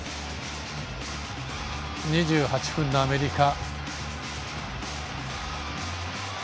２８分のアメリカ。